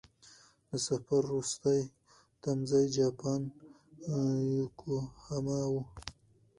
د سفر وروستی تمځی جاپان یوکوهاما و.